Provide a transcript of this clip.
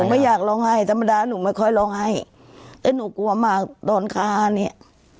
ไม่อยากร้องไห้ธรรมดาหนูไม่ค่อยร้องไห้แต่หนูกลัวมากตอนฆ่าเนี้ย